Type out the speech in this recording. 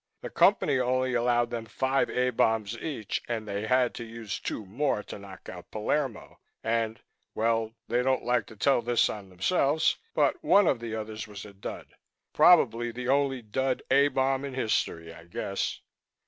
The Company only allowed them five A bombs each, and they had to use two more to knock out Palermo. And well, they don't like to tell this on themselves, but one of the others was a dud. Probably the only dud A bomb in history, I guess."